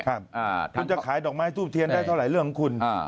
คุณจะขายดอกไม้ทูบเทียนได้เท่าไหร่เรื่องของคุณ